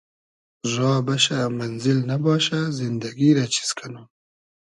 را بئشۂ مئنزیل نئباشۂ زیندئگی رۂ چیز کئنوم